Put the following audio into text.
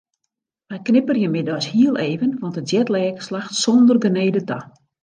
Wy knipperje middeis hiel even want de jetlag slacht sonder genede ta.